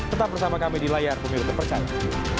tetap bersama kami di layar pemilu terpercaya